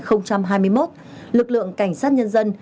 vô vài lực lượng cảnh sát nhân dân